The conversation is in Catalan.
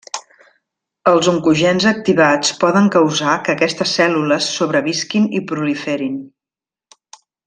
Els oncogens activats poden causar que aquestes cèl·lules sobrevisquin i proliferin.